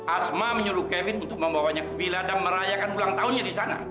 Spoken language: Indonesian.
asma menyuruh kevin untuk membawanya ke villa dan merayakan ulang tahunnya di sana